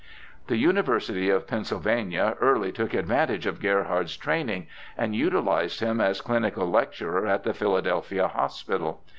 The University of Pennsylvania early took advantage of Gerhard's training, and utilized him as clinical lecturer at the Philadelphia Hospital.